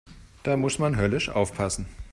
Da muss man höllisch aufpassen.